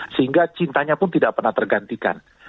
sehingga cintanya pun tidak pernah tergantikan